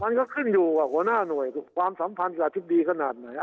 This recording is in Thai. มันก็ขึ้นอยู่กับหัวหน้าหน่วยความสัมพันธ์กับอธิบดีขนาดไหน